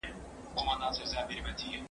زه مخکي د زده کړو تمرين کړی وو؟!